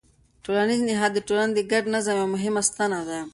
ټولنیز نهاد د ټولنې د ګډ نظم یوه مهمه ستنه ده.